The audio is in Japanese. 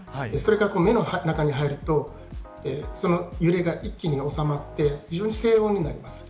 それが、目の中に入るとその揺れが一気に収まって非常に静穏になります。